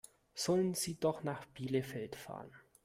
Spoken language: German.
Soll sie doch nach Bielefeld fahren?